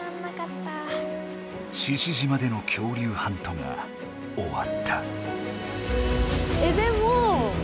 獅子島での恐竜ハントがおわった。